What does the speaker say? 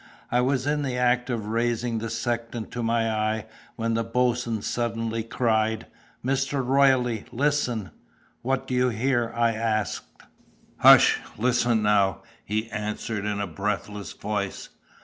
I was in the act of raising the sextant to my eye, when the boatswain suddenly cried, "Mr. Royle, listen!" "What do you hear?" I asked. "Hush! listen now!" he answered, in a breathless voice.